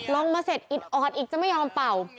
ลงมาเสร็จอิดออดอีกจะไม่ยอมเป่า